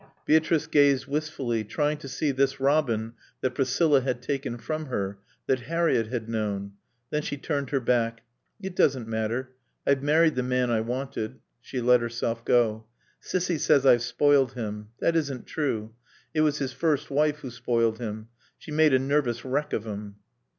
Beatrice gazed wistfully, trying to see this Robin that Priscilla had taken from her, that Harriett had known. Then she turned her back. "It doesn't matter. I've married the man I wanted." She let herself go. "Cissy says I've spoiled him. That isn't true. It was his first wife who spoiled him. She made a nervous wreck of him."